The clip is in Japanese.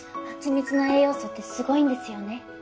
蜂蜜の栄養素ってすごいんですよね。